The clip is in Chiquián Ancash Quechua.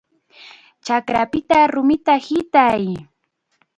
¡Chakrapita rumita hitay!